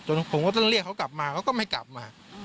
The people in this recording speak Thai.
ผมก็ต้องเรียกเขากลับมาเขาก็ไม่กลับมา